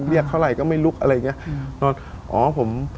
เรียกเท่าไหร่ก็ไม่ลุกอะไรอย่างนี้